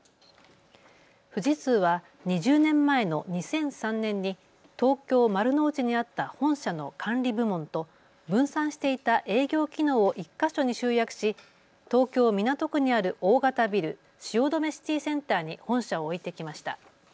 富士通は２０年前の２００３年に東京丸の内にあった本社の管理部門と分散していた営業機能を１か所に集約し東京港区にある大型ビル、汐留シティセンターに本社を置いてきました。